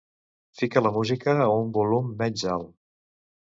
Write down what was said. Fica la música a un volum menys alt.